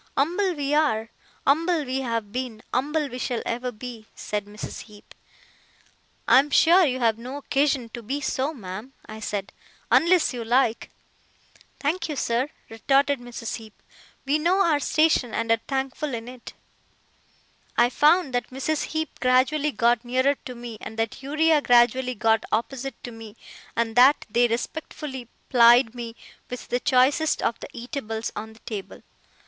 Umble we are, umble we have been, umble we shall ever be,' said Mrs. Heep. 'I am sure you have no occasion to be so, ma'am,' I said, 'unless you like.' 'Thank you, sir,' retorted Mrs. Heep. 'We know our station and are thankful in it.' I found that Mrs. Heep gradually got nearer to me, and that Uriah gradually got opposite to me, and that they respectfully plied me with the choicest of the eatables on the table.